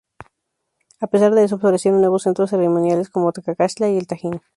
A pesar de eso, florecieron nuevos centros ceremoniales como Cacaxtla y El Tajín.